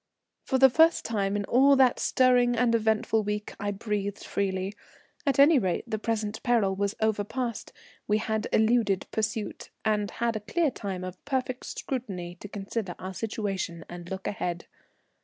For the first time in all that stirring and eventful week I breathed freely. At any rate the present peril was overpast, we had eluded pursuit, and had a clear time of perfect security to consider our situation and look ahead.